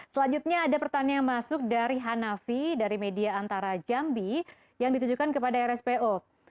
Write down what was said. selanjutnya ada pertanyaan yang masuk dari hanafi dari media antara jambi yang ditujukan kepada rspo